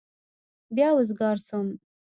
بيا وزگار سوم.